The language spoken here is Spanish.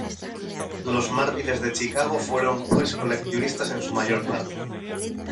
Los mártires de Chicago fueron pues colectivistas en su mayor parte.